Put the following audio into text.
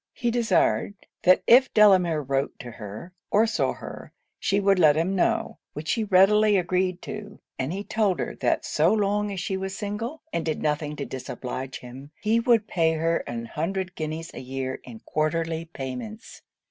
He desired, that if Delamere wrote to her, or saw her, she would let him know, which she readily agreed to; and he told her, that so long as she was single, and did nothing to disoblige him, he would pay her an hundred guineas a year in quarterly payments.